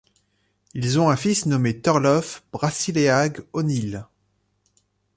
Ils ont un fils nommé Turlough Brassileagh O'Neill.